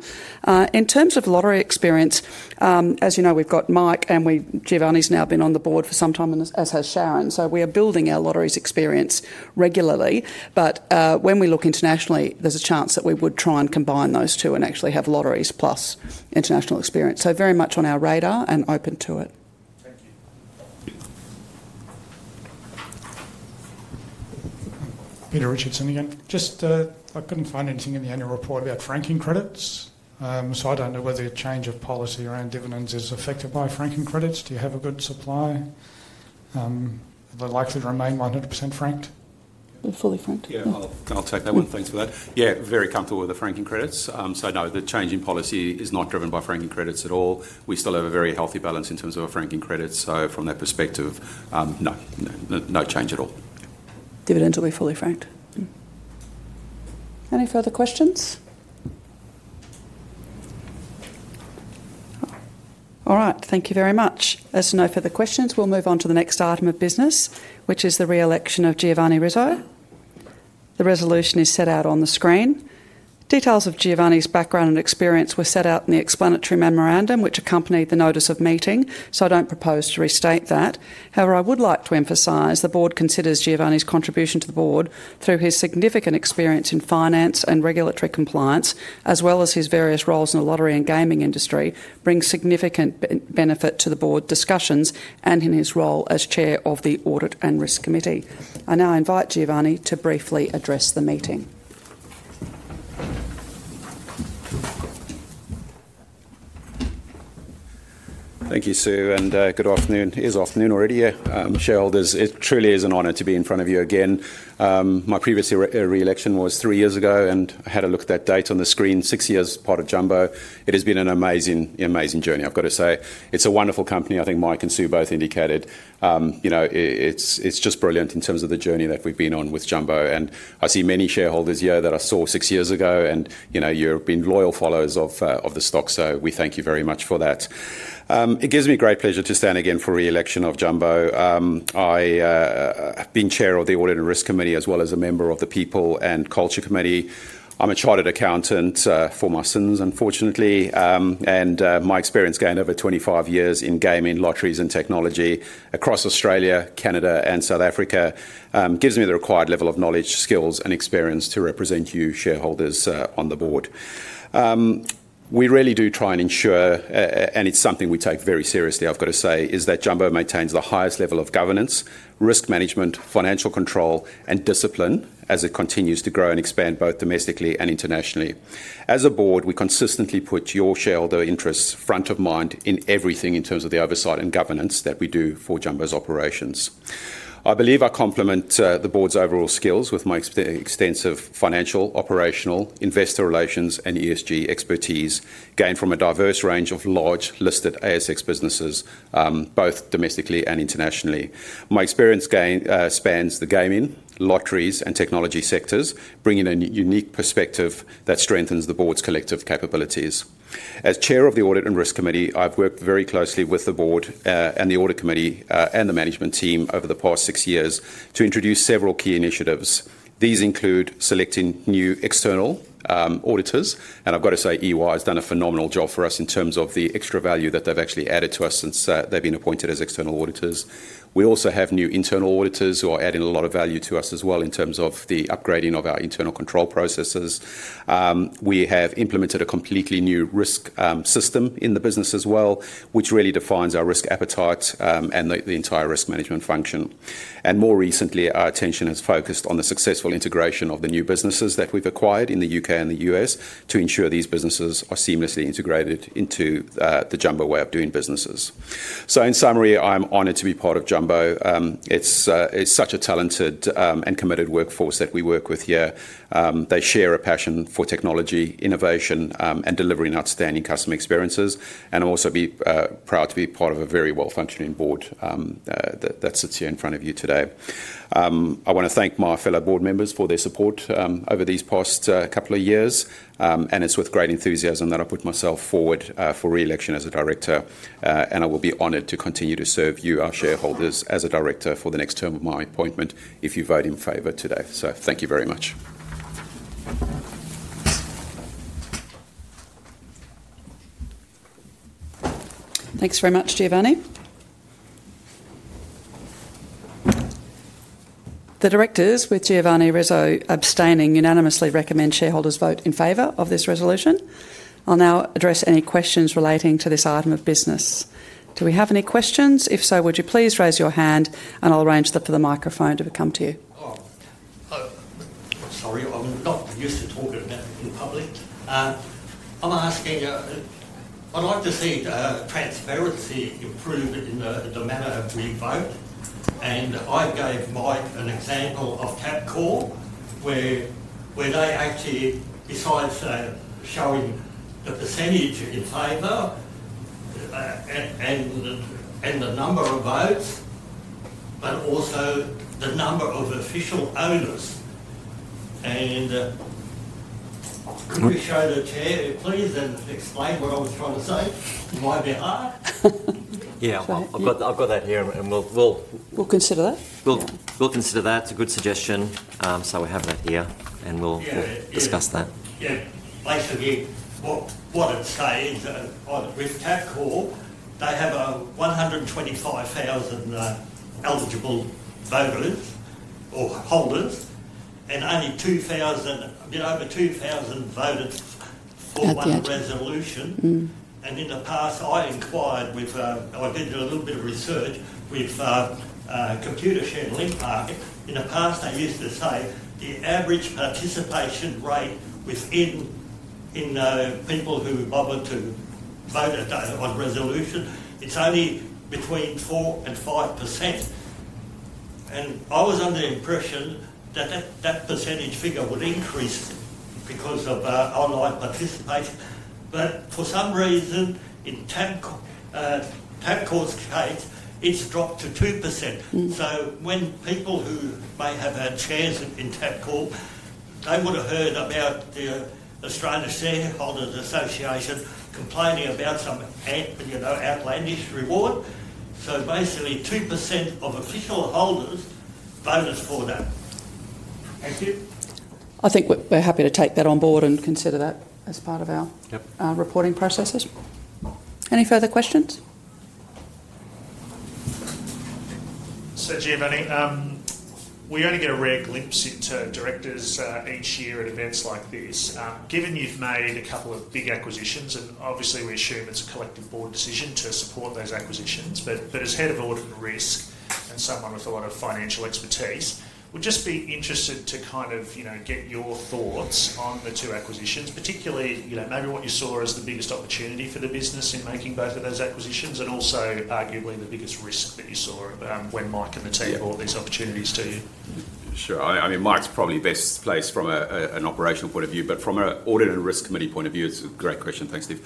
[SPEAKER 1] In terms of lottery experience, as you know, we've got Mike, and Giovanni's now been on the Board for some time, as has Sharon. We are building our lotteries experience regularly. When we look internationally, there's a chance that we would try and combine those two and actually have lotteries plus international experience. So very much on our radar and open to it.
[SPEAKER 6] Thank you.
[SPEAKER 3] Peter Richardson again. Just I could not find anything in the annual report about franking credits. So I do not know whether the change of policy around dividends is affected by franking credits. Do you have a good supply? Are they likely to remain 100% franked?
[SPEAKER 1] Fully franked.
[SPEAKER 4] Yeah, I'll take that one. Thanks for that. Yeah, very comfortable with the franking credits. No, the change in policy is not driven by franking credits at all. We still have a very healthy balance in terms of our franking credits. From that perspective, no, no change at all.
[SPEAKER 1] Dividends will be fully franked. Any further questions? All right. Thank you very much. As to no further questions, we'll move on to the next item of business, which is the re-election of Giovanni Rizzo. The resolution is set out on the screen. Details of Giovanni's background and experience were set out in the explanatory memorandum which accompanied the notice of meeting, so I don't propose to restate that. However, I would like to emphasize the Board considers Giovanni's contribution to the Board through his significant experience in finance and regulatory compliance, as well as his various roles in the lottery and gaming industry, brings significant benefit to the Board discussions and in his role as Chair of the Audit and Risk Committee. I now invite Giovanni to briefly address the meeting.
[SPEAKER 4] Thank you, Sue, and good afternoon. It is afternoon already. Shareholders, it truly is an honor to be in front of you again. My previous re-election was three years ago, and I had a look at that date on the screen, six years part of Jumbo. It has been an amazing, amazing journey, I've got to say. It's a wonderful company. I think Mike and Sue both indicated. It's just brilliant in terms of the journey that we've been on with Jumbo. I see many shareholders here that I saw six years ago, and you've been loyal followers of the stock, so we thank you very much for that. It gives me great pleasure to stand again for re-election of Jumbo. I have been Chair of the Audit and Risk Committee as well as a member of the People and Culture Committee. I'm a chartered accountant for my sins, unfortunately. And my experience going over 25 years in gaming, lotteries, and technology across Australia, Canada, and South Africa gives me the required level of knowledge, skills, and experience to represent you shareholders on the Board. We really do try and ensure, and it's something we take very seriously, I've got to say, is that Jumbo maintains the highest level of governance, risk management, financial control, and discipline as it continues to grow and expand both domestically and internationally. As a Board, we consistently put your shareholder interests front of mind in everything in terms of the oversight and governance that we do for Jumbo's operations. I believe I complement the Board's overall skills with my extensive financial, operational, investor relations, and ESG expertise gained from a diverse range of large listed ASX businesses, both domestically and internationally. My experience spans the gaming, lotteries, and technology sectors, bringing a unique perspective that strengthens the Board's collective capabilities. As Chair of the Audit and Risk Committee, I've worked very closely with the Board and the Audit Committee and the management team over the past six years to introduce several key initiatives. These include selecting new external auditors. I've got to say, Ernst & Young has done a phenomenal job for us in terms of the extra value that they've actually added to us since they've been appointed as external auditors. We also have new internal auditors who are adding a lot of value to us as well in terms of the upgrading of our internal control processes. We have implemented a completely new risk system in the business as well, which really defines our risk appetite and the entire risk management function. More recently, our attention has focused on the successful integration of the new businesses that we've acquired in the U.K. and the U.S. to ensure these businesses are seamlessly integrated into the Jumbo way of doing business. In summary, I'm honored to be part of Jumbo. It's such a talented and committed workforce that we work with here. They share a passion for technology, innovation, and delivering outstanding customer experiences. I'm also proud to be part of a very well-functioning Board that sits here in front of you today. I want to thank my fellow Board members for their support over these past couple of years. It's with great enthusiasm that I put myself forward for re-election as a director. I will be honored to continue to serve you, our shareholders, as a director for the next term of my appointment if you vote in favor today. Thank you very much.
[SPEAKER 1] Thanks very much, Giovanni. The directors, with Giovanni Rizzo abstaining, unanimously recommend shareholders vote in favor of this resolution. I'll now address any questions relating to this item of business. Do we have any questions? If so, would you please raise your hand, and I'll arrange for the microphone to come to you.
[SPEAKER 5] Sorry, I'm not used to talking about it in public. I'm asking, I'd like to see transparency improved in the manner we vote. I gave Mike an example of CapCore where they actually, besides showing the percentage in favor and the number of votes, but also the number of official owners. Could you show the Chair, please, and explain what I was trying to say on my behalf?
[SPEAKER 4] Yeah, I've got that here, and we'll.
[SPEAKER 1] We'll consider that.
[SPEAKER 4] We'll consider that. It's a good suggestion. We have that here, and we'll discuss that.
[SPEAKER 5] Yeah. Basically, what it says on CapCore, they have 125,000 eligible voters or holders, and only 2,000, a bit over 2,000 voted for one resolution. In the past, I inquired with, I did a little bit of research with ComputerShare Link Market. In the past, they used to say the average participation rate within people who wanted to vote on resolution, it's only between 4% and 5%. I was under the impression that that percentage figure would increase because of online participation. For some reason, in CapCore's case, it's dropped to 2%. When people who may have had shares in CapCore, they would have heard about the Australian Shareholders Association complaining about some outlandish reward. Basically, 2% of official holders voted for that. Thank you.
[SPEAKER 1] I think we're happy to take that on Board and consider that as part of our reporting processes. Any further questions?
[SPEAKER 6] Giovanni, we only get a rare glimpse into directors each year at events like these. Given you've made a couple of big acquisitions, and obviously, we assume it's a collective Board decision to support those acquisitions. As head of Audit and Risk and someone with a lot of financial expertise, we'd just be interested to kind of get your thoughts on the two acquisitions, particularly maybe what you saw as the biggest opportunity for the business in making both of those acquisitions, and also arguably the biggest risk that you saw when Mike and the team brought these opportunities to you.
[SPEAKER 4] Sure. I mean, Mike's probably best placed from an operational point of view, but from an Audit and Risk Committee point of view, it's a great question. Thanks, Steve.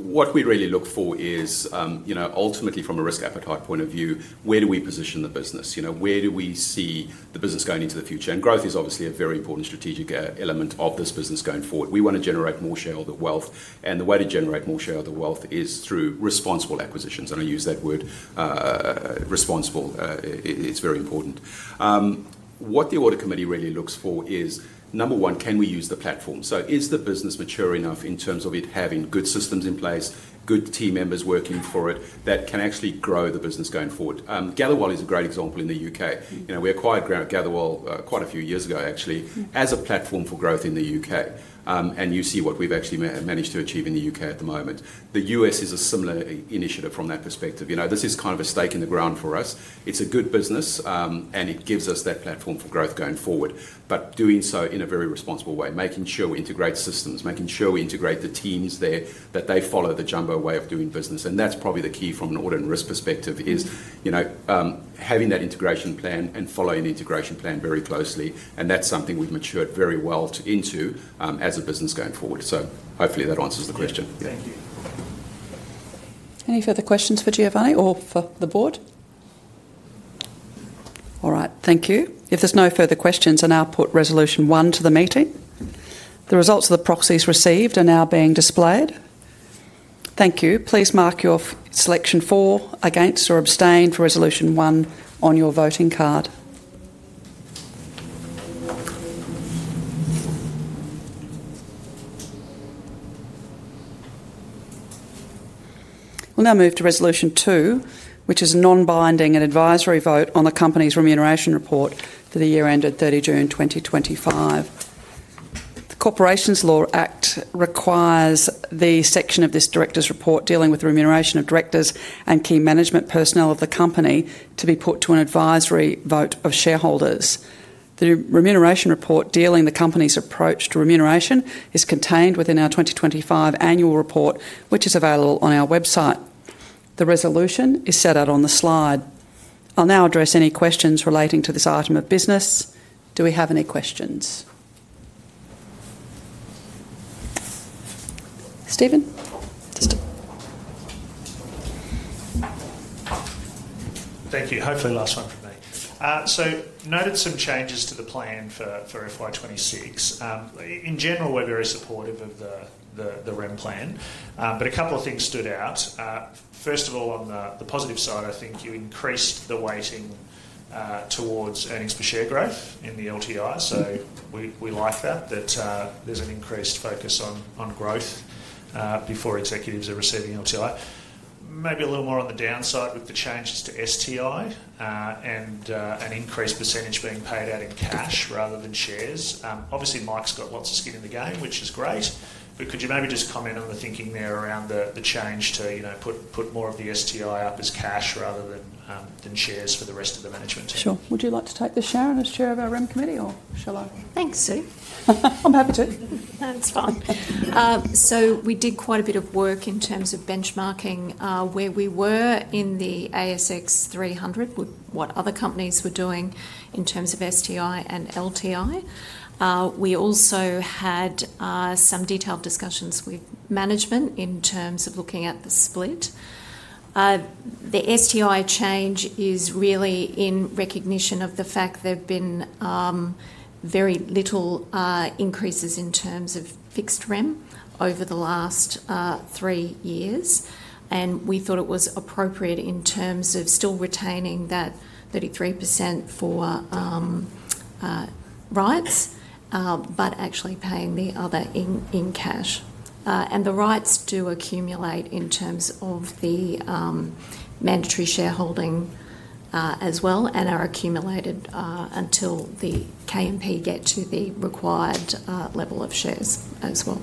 [SPEAKER 4] What we really look for is, ultimately, from a risk appetite point of view, where do we position the business? Where do we see the business going into the future? Growth is obviously a very important strategic element of this business going forward. We want to generate more shareholder wealth. The way to generate more shareholder wealth is through responsible acquisitions. I use that word, responsible. It's very important. What the Audit Committee really looks for is, number one, can we use the platform? Is the business mature enough in terms of it having good systems in place, good team members working for it that can actually grow the business going forward? Gatherwell is a great example in the U.K. We acquired Gatherwell quite a few years ago, actually, as a platform for growth in the U.K. You see what we've actually managed to achieve in the U.K. at the moment. The U.S. is a similar initiative from that perspective. This is kind of a stake in the ground for us. It's a good business, and it gives us that platform for growth going forward, but doing so in a very responsible way, making sure we integrate systems, making sure we integrate the teams there, that they follow the Jumbo way of doing business. That is probably the key from an Audit and Risk perspective, having that integration plan and following the integration plan very closely. That is something we've matured very well into as a business going forward. Hopefully, that answers the question.
[SPEAKER 6] Thank you.
[SPEAKER 1] Any further questions for Giovanni or for the Board? All right. Thank you. If there's no further questions, I'll now put Resolution 1 to the meeting. The results of the proxies received are now being displayed. Thank you. Please mark your selection for, against, or abstain for Resolution 1 on your voting card. We'll now move to Resolution 2, which is a non-binding and advisory vote on the company's remuneration report for the year ended 30 June 2025. The Corporations Law Act requires the section of this director's report dealing with the remuneration of directors and key management personnel of the company to be put to an advisory vote of shareholders. The remuneration report dealing with the company's approach to remuneration is contained within our 2025 annual report, which is available on our website. The resolution is set out on the slide. I'll now address any questions relating to this item of business. Do we have any questions? Steven?
[SPEAKER 6] Thank you. Hopefully, last one for me. So noted some changes to the plan for FY2026. In general, we're very supportive of the REM plan, but a couple of things stood out. First of all, on the positive side, I think you increased the weighting towards earnings per share growth in the LTI. So we like that, that there's an increased focus on growth before executives are receiving LTI. Maybe a little more on the downside with the changes to STI and an increased percentage being paid out in cash rather than shares. Obviously, Mike's got lots of skin in the game, which is great. But could you maybe just comment on the thinking there around the change to put more of the STI up as cash rather than shares for the rest of the management?
[SPEAKER 1] Sure. Would you like to take the share and share of our REM committee, or shall I?
[SPEAKER 7] Thanks, Sue. I'm happy to. That's fine. We did quite a bit of work in terms of benchmarking where we were in the ASX 300, what other companies were doing in terms of STI and LTI. We also had some detailed discussions with management in terms of looking at the split. The STI change is really in recognition of the fact there have been very little increases in terms of fixed REM over the last three years. We thought it was appropriate in terms of still retaining that 33% for rights, but actually paying the other in cash. The rights do accumulate in terms of the mandatory shareholding as well and are accumulated until the K&P get to the required level of shares as well.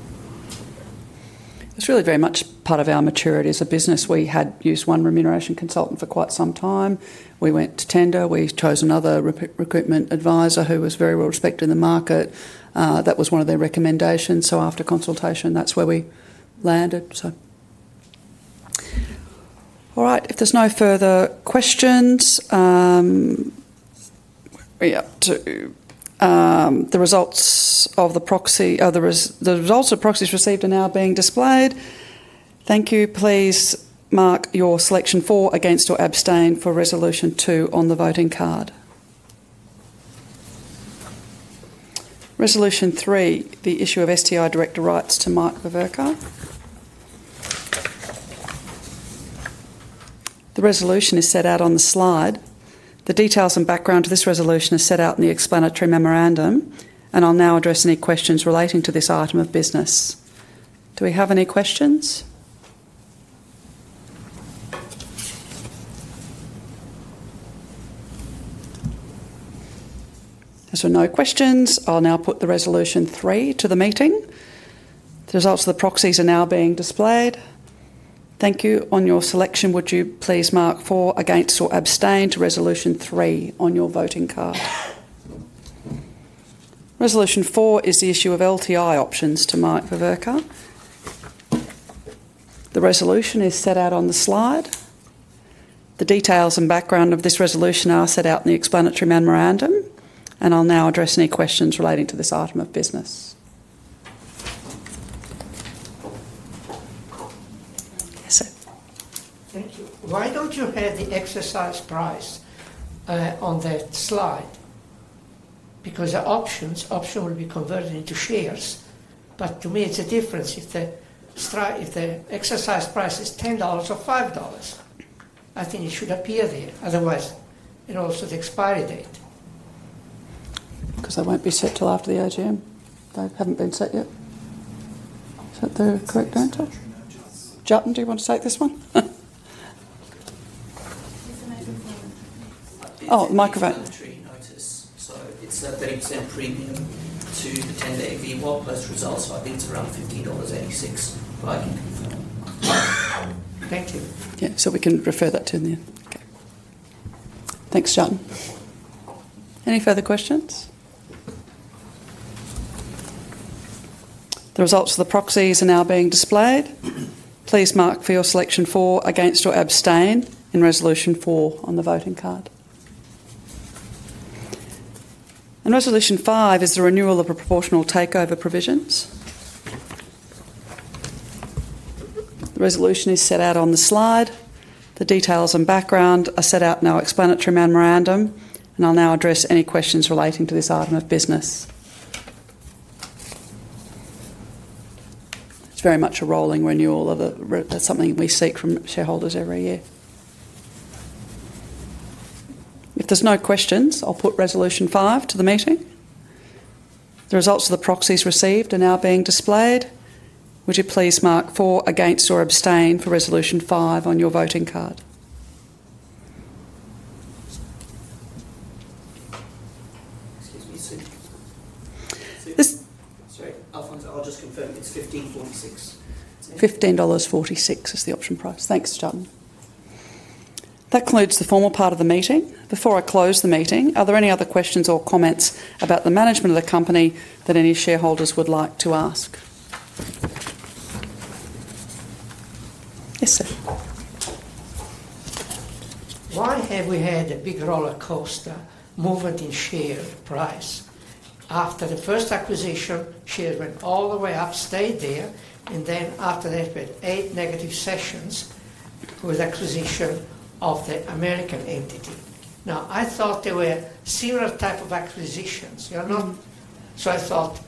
[SPEAKER 1] It's really very much part of our maturity as a business. We had used one remuneration consultant for quite some time. We went to tender. We chose another recruitment advisor who was very well respected in the market. That was one of their recommendations. After consultation, that's where we landed. All right. If there's no further questions, the results of the proxy, the results of proxies received are now being displayed. Thank you. Please mark your selection for, against, or abstain for Resolution 2 on the voting card. Resolution 3, the issue of STI director rights to Mike Veverka. The resolution is set out on the slide. The details and background to this resolution are set out in the explanatory memorandum. I'll now address any questions relating to this item of business. Do we have any questions? There's no questions. I'll now put the Resolution 3 to the meeting. The results of the proxies are now being displayed. Thank you. On your selection, would you please mark for, against, or abstain to Resolution 3 on your voting card? Resolution 4 is the issue of LTI options to Mike Veverka. The resolution is set out on the slide. The details and background of this resolution are set out in the explanatory memorandum. I'll now address any questions relating to this item of business. Yes, sir.
[SPEAKER 5] Thank you. Why don't you have the exercise price on that slide? Because the options, option will be converted into shares. To me, it's a difference if the exercise price is $10 or $5. I think it should appear there. Otherwise, and also the expiry date.
[SPEAKER 1] Because they won't be set till after the AGM. They haven't been set yet. Is that the correct answer? Jatin, do you want to take this one? Oh, Mike Veverka.
[SPEAKER 8] The explanatory notice. It is a 30% premium to the 10-day V1 plus results, but I think it is around AUD 15.86, but I can confirm. Thank you.
[SPEAKER 1] Yeah. So we can refer that to in the end. Okay. Thanks, Jatin. Any further questions? The results of the proxies are now being displayed. Please mark for your selection for, against, or abstain in Resolution 4 on the voting card. Resolution 5 is the renewal of proportional takeover provisions. The resolution is set out on the slide. The details and background are set out in our explanatory memorandum. I'll now address any questions relating to this item of business. It's very much a rolling renewal of something we seek from shareholders every year. If there's no questions, I'll put Resolution 5 to the meeting. The results of the proxies received are now being displayed. Would you please mark for, against, or abstain for Resolution 5 on your voting card?
[SPEAKER 8] Excuse me, Sue. Sorry. I'll just confirm. It's 15.46
[SPEAKER 1] dollars. 15.46 is the option price. Thanks, Jatin. That concludes the formal part of the meeting. Before I close the meeting, are there any other questions or comments about the management of the company that any shareholders would like to ask? Yes, sir.
[SPEAKER 5] Why have we had a big roller coaster movement in share price? After the first acquisition, shares went all the way up, stayed there, and then after that, we had eight negative sessions with acquisition of the American entity. Now, I thought they were similar type of acquisitions. I thought,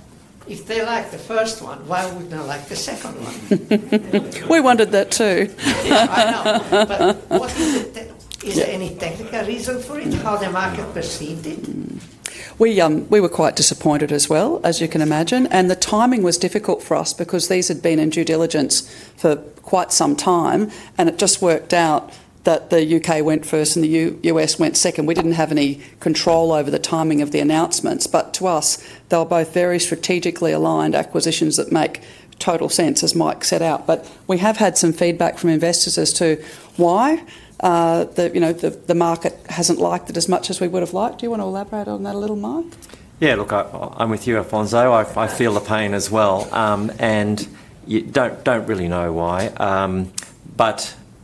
[SPEAKER 5] if they liked the first one, why wouldn't I like the second one?
[SPEAKER 1] We wondered that too.
[SPEAKER 5] I know. Is there any technical reason for it, how the market perceived it?
[SPEAKER 1] We were quite disappointed as well, as you can imagine. The timing was difficult for us because these had been in due diligence for quite some time. It just worked out that the U.K. went first and the U.S. went second. We did not have any control over the timing of the announcements. To us, they were both very strategically aligned acquisitions that make total sense, as Mike set out. We have had some feedback from investors as to why the market has not liked it as much as we would have liked. Do you want to elaborate on that a little, Mike?
[SPEAKER 2] Yeah. Look, I'm with you, Alfonso. I feel the pain as well. You do not really know why.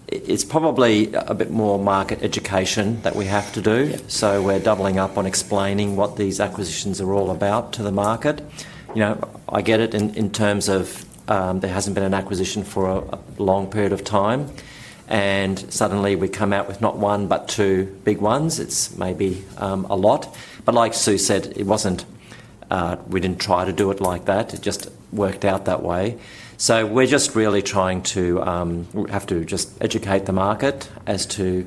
[SPEAKER 2] It is probably a bit more market education that we have to do. We are doubling up on explaining what these acquisitions are all about to the market. I get it in terms of there has not been an acquisition for a long period of time. Suddenly, we come out with not one but two big ones. It is maybe a lot. Like Sue said, we did not try to do it like that. It just worked out that way. We are just really trying to have to just educate the market as to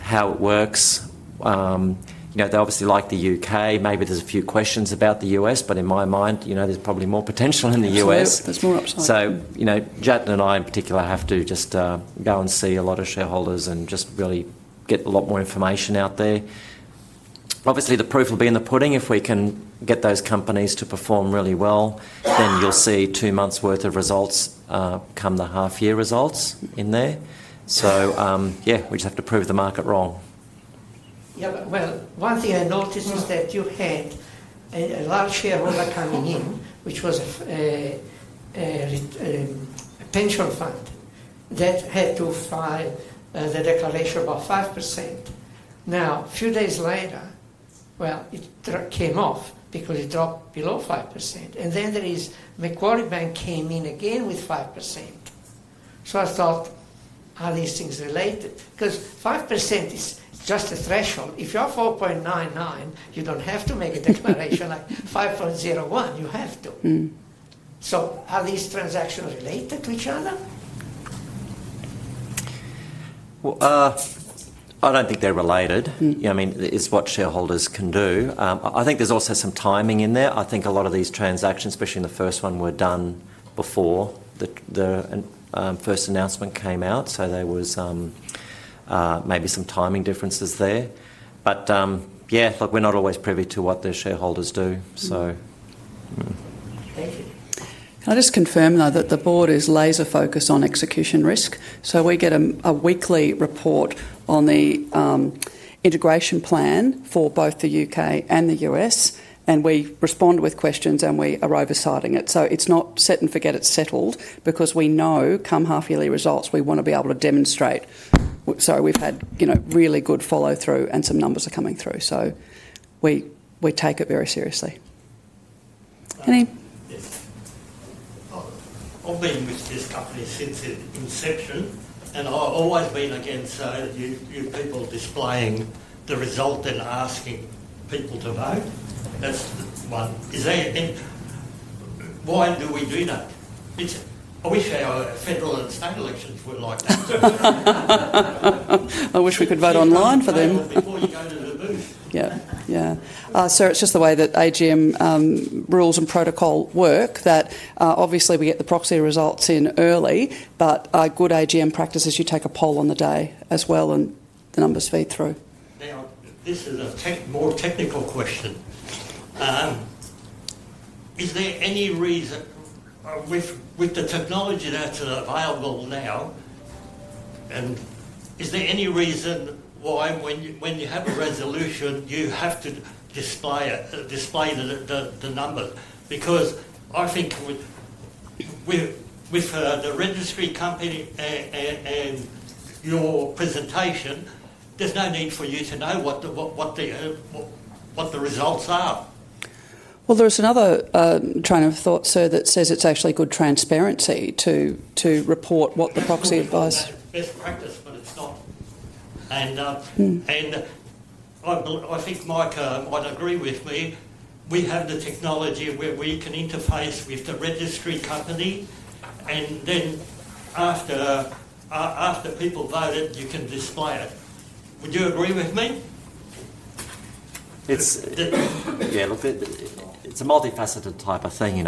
[SPEAKER 2] how it works. They obviously like the U.K. Maybe there are a few questions about the U.S. In my mind, there is probably more potential in the U.S.
[SPEAKER 1] There's more. There's more upside.
[SPEAKER 2] Jatin and I, in particular, have to just go and see a lot of shareholders and just really get a lot more information out there. Obviously, the proof will be in the pudding. If we can get those companies to perform really well, then you'll see two months' worth of results come the half-year results in there. Yeah, we just have to prove the market wrong.
[SPEAKER 5] Yeah. One thing I noticed is that you had a large shareholder coming in, which was a pension fund that had to file the declaration about 5%. A few days later, it came off because it dropped below 5%. Then Macquarie Bank came in again with 5%. I thought, are these things related? Because 5% is just a threshold. If you're 4.99%, you don't have to make a declaration like 5.01%. You have to. Are these transactions related to each other?
[SPEAKER 2] I don't think they're related. I mean, it's what shareholders can do. I think there's also some timing in there. I think a lot of these transactions, especially in the first one, were done before the first announcement came out. There was maybe some timing differences there. Yeah, look, we're not always privy to what the shareholders do, so.
[SPEAKER 5] Thank you.
[SPEAKER 1] Can I just confirm, though, that the Board is laser-focused on execution risk? We get a weekly report on the integration plan for both the U.K. and the U.S., and we respond with questions, and we are oversighting it. It is not set and forget. It is settled because we know come half-yearly results, we want to be able to demonstrate. We have had really good follow-through, and some numbers are coming through. We take it very seriously. Any?
[SPEAKER 9] Yes. Hold on. I've been with this company since its inception. I've always been against people displaying the result and asking people to vote. That's one. Why do we do that? I wish our federal and state elections were like that.
[SPEAKER 1] I wish we could vote online for them.
[SPEAKER 5] Before you go to the booth.
[SPEAKER 1] Yeah. Yeah. Sir, it's just the way that AGM rules and protocol work that obviously we get the proxy results in early, but good AGM practice is you take a poll on the day as well, and the numbers feed through.
[SPEAKER 5] Now, this is a more technical question. Is there any reason with the technology that's available now, is there any reason why when you have a resolution, you have to display the numbers? Because I think with the registry company and your presentation, there's no need for you to know what the results are.
[SPEAKER 1] There's another train of thought, sir, that says it's actually good transparency to report what the proxy advise.
[SPEAKER 5] Yeah. It's best practice, but it's not. I think Mike might agree with me. We have the technology where we can interface with the registry company. After people voted, you can display it. Would you agree with me?
[SPEAKER 2] Yeah. Look, it's a multifaceted type of thing.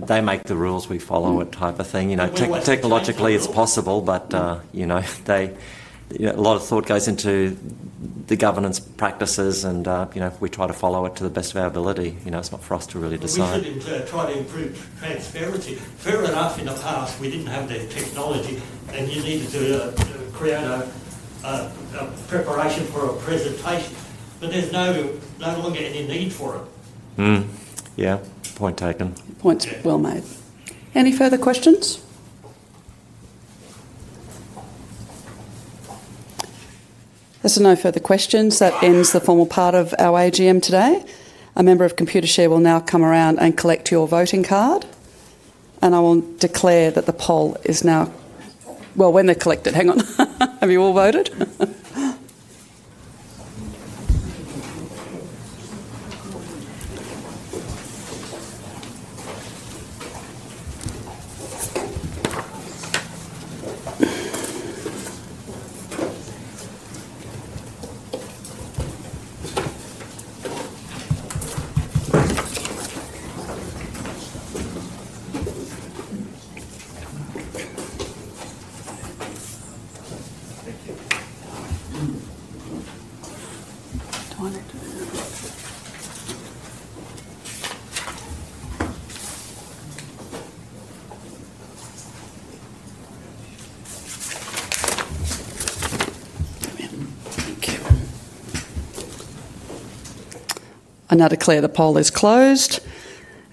[SPEAKER 2] They make the rules. We follow it type of thing. Technologically, it's possible, but a lot of thought goes into the governance practices. We try to follow it to the best of our ability. It's not for us to really decide.
[SPEAKER 5] We should try to improve transparency. Fair enough, in the past, we did not have the technology, and you needed to create a preparation for a presentation. There is no longer any need for it.
[SPEAKER 2] Yeah. Point taken.
[SPEAKER 1] Point well made. Any further questions? There's no further questions. That ends the formal part of our AGM today. A member of ComputerShare will now come around and collect your voting card. I will declare that the poll is now—well, when they're collected. Hang on. Have you all voted? Thank you. I now declare the poll is closed.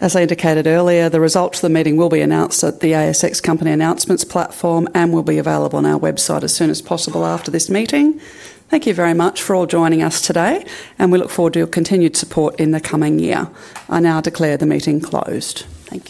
[SPEAKER 1] As I indicated earlier, the results of the meeting will be announced at the ASX Company Announcements platform and will be available on our website as soon as possible after this meeting. Thank you very much for all joining us today. We look forward to your continued support in the coming year. I now declare the meeting closed. Thank you.